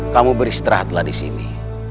kamu beristirahatlah di sini